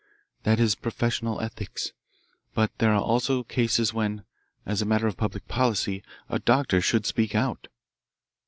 That is professional ethics. But there are also cases when, as a matter of public policy, a doctor should speak out."